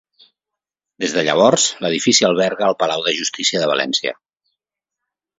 Des de llavors, l'edifici alberga el palau de Justícia de València.